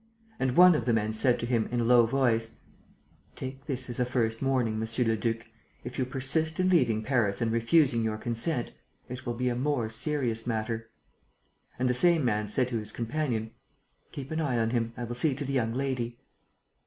And one of the men said to him, in a low voice: "Take this as a first warning, monsieur le duc. If you persist in leaving Paris and refusing your consent, it will be a more serious matter." And the same man said to his companion: "Keep an eye on him. I will see to the young lady."